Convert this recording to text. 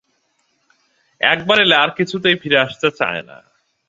এক বার এলে আর কিছুতেই ফিরে আসতে চায় না।